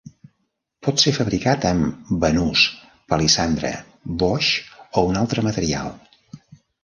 Pot ser fabricat amb banús, palissandre, boix o un altre material.